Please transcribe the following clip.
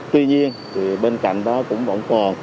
tuy nhiên bên cạnh đó cũng vẫn còn